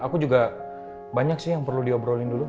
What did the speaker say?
aku juga banyak sih yang perlu diobrolin dulu